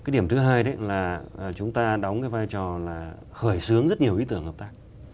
điểm thứ hai là chúng ta đóng vai trò khởi xướng rất nhiều ý tưởng hợp tác